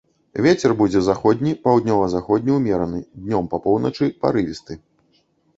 Вецер будзе заходні, паўднёва-заходні ўмераны, днём па поўначы парывісты.